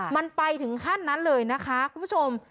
มันไปถึงขั้นนั้นเลยนะคะคุณผู้ชม